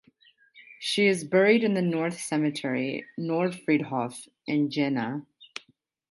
She is buried in the North Cemetery ("Nordfriedhof") in Jena.